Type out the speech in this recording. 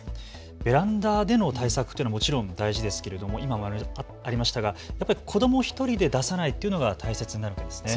ベランダでの対策というのはもちろん大事ですけれども今もありましたが、子ども１人で出さないということが大切なんですね。